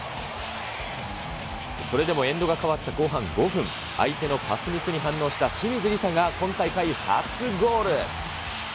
それでもエンドが変わった後半５分、相手のパスミスに反応した清水梨紗が今大会初ゴール。